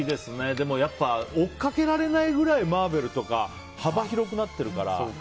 でもやっぱ追っかけられないぐらいマーベルとか幅広くなってるから。